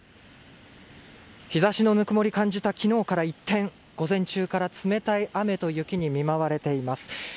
日差しのぬくもり感じた昨日から一転午前中から冷たい雨と雪に見舞われています。